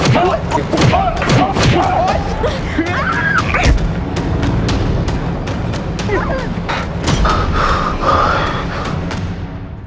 มึงอยู่ไหน